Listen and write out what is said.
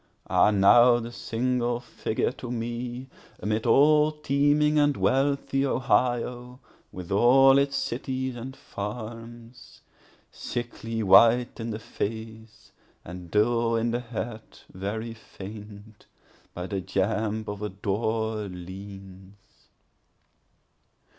4Ah, now, the single figure to me, Amid all teeming and wealthy Ohio, with all its cities and farms, Sickly white in the face, and dull in the head, very faint, By the jamb of a door leans.